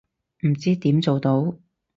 唔知點做到